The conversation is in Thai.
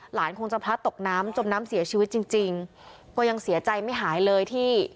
คงจะพลัดตกน้ำจมน้ำเสียชีวิตจริงจริงก็ยังเสียใจไม่หายเลยที่